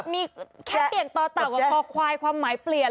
นี่เป็นเฉพาะอีกตัวซ้ายมือเนี่ย